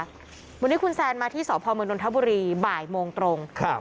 วันนี้คุณแซนมาที่สพมนนทบุรีบ่ายโมงตรงครับ